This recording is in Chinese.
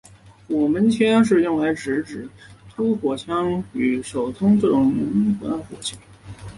火门枪是用来指像突火枪与手铳这种直接使用燃烧的火棒从火门点火的火器。